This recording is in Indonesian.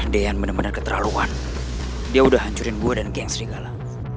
deyan bener bener keterlaluan dia udah hancurin gue dan geng serigala